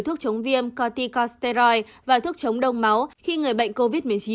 thuốc chống viêm coticoid và thuốc chống đông máu khi người bệnh covid một mươi chín